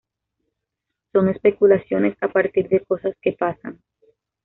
Son especulaciones a partir de cosas que pasan.